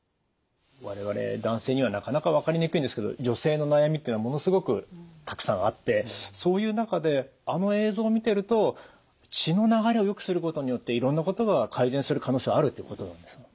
我々男性にはなかなか分かりにくいんですけど女性の悩みっていうのはものすごくたくさんあってそういう中であの映像を見てると血の流れをよくすることによっていろんなことが改善する可能性はあるっていうことなんですか。